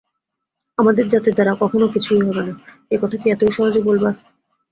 আমাদের জাতের দ্বারা কখনো কিছুই হবে না, এ কথা কি এতই সহজে বলবার?